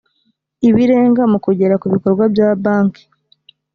ibirenga mu kugera ku bikorwa bya banki